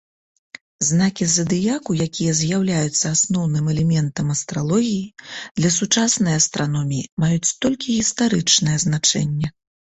Знакі задыяку, якія з'яўляюцца асноўным элементам астралогіі, для сучаснай астраноміі маюць толькі гістарычнае значэнне.